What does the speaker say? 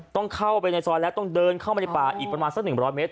ต้องเข้าไปในซอยแล้วต้องเดินเข้ามาในป่าอีกประมาณสัก๑๐๐เมตร